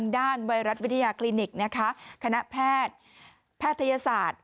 ด้านไวรัสวิทยาคลินิกคณะแพทยศาสตร์